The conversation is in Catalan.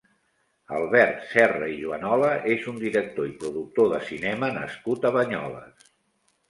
Albert Serra i Juanola és un director i productor de cinema nascut a Banyoles.